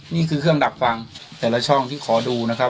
นี่คือเครื่องดักฟังแต่ละช่องที่ขอดูนะครับ